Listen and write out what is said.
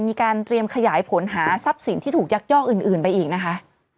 มีการเตรียมขยายผลหาทรัพย์สินที่ถูกยักยอกอื่นไปอีกนะคะ